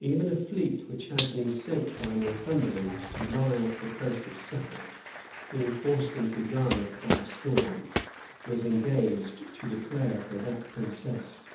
Even a fleet which had been sent by Northumberland to lie off the coast of Suffolk, being forced into Yarmouth by a storm, was engaged to declare for that princess.